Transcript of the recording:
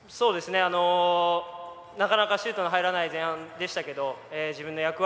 なかなかシュートの入らない前半でしたけど自分の役割